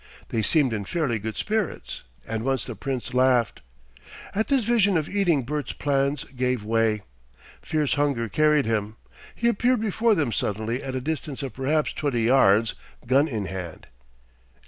They seemed in fairly good spirits, and once the Prince laughed. At this vision of eating Bert's plans gave way. Fierce hunger carried him. He appeared before them suddenly at a distance of perhaps twenty yards, gun in hand.